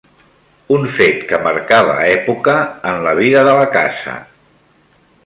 Un fet que marcava època en la vida de la casa